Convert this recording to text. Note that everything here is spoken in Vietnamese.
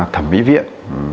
thẩm mỹ viện